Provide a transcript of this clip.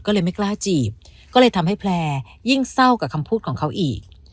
ก็เลยไม่กล้าจีบก็เลยทำให้แพลร์ยิ่งเศร้ากับคำพูดของเขาอีก